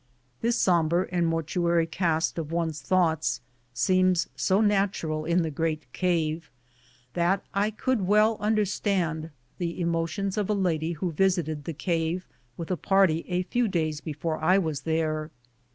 This sombre and mortuary cast of one's thoughts seems so natural in the great cave, that I could well un derstand the emotions of a lady who visited the cave with a party a few days before I was there.